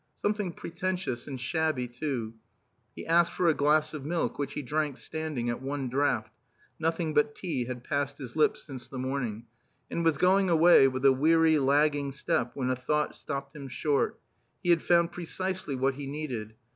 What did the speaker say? Something pretentious and shabby, too. He asked for a glass of milk, which he drank standing, at one draught (nothing but tea had passed his lips since the morning), and was going away with a weary, lagging step when a thought stopped him short. He had found precisely what he needed.